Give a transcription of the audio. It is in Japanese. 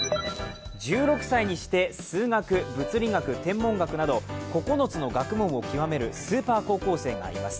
１６歳にして数学、物理学、天文学など９つの学問をきわめるスーパー高校生がいます。